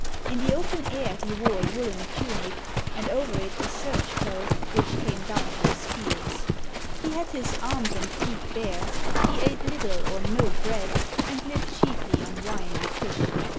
In the open air he wore a woolen tunic, and over it a serge cloak which came down to his heels ; 607 PALESTINE he had his arms and feet bare; he ate little or no bread, and lived chiefly on wine and fish."